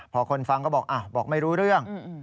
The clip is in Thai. พอคนฟังก็บอกบอกไม่รู้เรื่อง